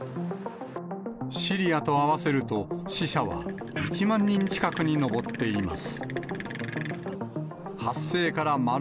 シリアと合わせると、死者は１万人近くに上っています。